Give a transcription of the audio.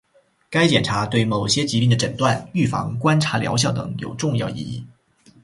该检查对某些疾病的诊断、预防、观察疗效等都有重要意义